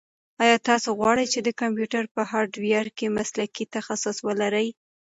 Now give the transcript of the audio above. ایا تاسو غواړئ چې د کمپیوټر په هارډویر کې مسلکي تخصص ولرئ؟